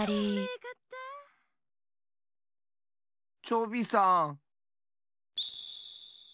チョビさん。